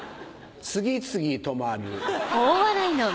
次々止まる。